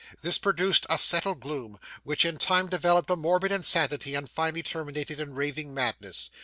This produced a settled gloom, which in time developed a morbid insanity, and finally terminated in raving madness.